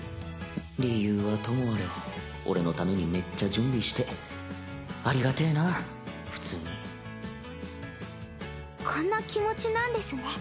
理由はともあれ俺のためにめっちゃ準備してこんな気持ちなんですね。